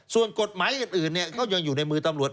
ส่วนกฎหมายอื่นก็ยังอยู่ในมือตำรวจ